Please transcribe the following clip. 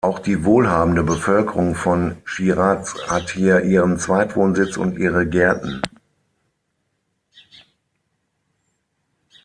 Auch die wohlhabende Bevölkerung von Schiraz hat hier ihren Zweitwohnsitz und ihre Gärten.